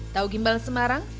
tahu gimbal semarang